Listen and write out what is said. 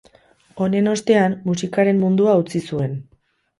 Honen ostean, musikaren mundua utzi zuen.